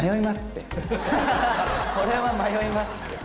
これは迷いますって！